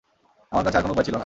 আমার কাছে আর কোনো উপায় ছিল না।